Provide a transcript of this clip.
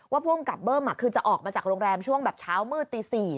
ภูมิกับเบิ้มคือจะออกมาจากโรงแรมช่วงแบบเช้ามืดตี๔